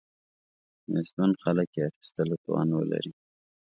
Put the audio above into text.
نیستمن خلک یې اخیستلو توان ولري.